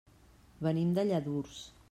Venim de Lladurs.